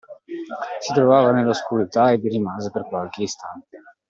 Si trovava nell'oscurità e vi rimase per qualche istante.